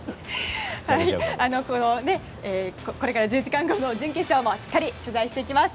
これから１０時間後の準決勝もしっかり取材してきます。